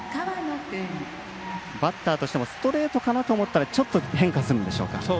バッターとしてもストレートかなと思うとちょっと、変化するんでしょうか。